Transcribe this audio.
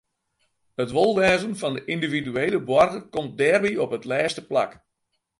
It wolwêzen fan de yndividuele boarger komt dêrby op it lêste plak.